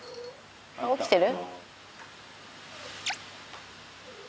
起きてる？